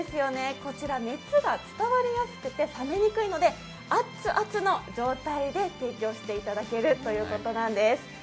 こちら熱が伝わりにくくて冷めにくいのであっつあつの状態で提供していただけるということなんです。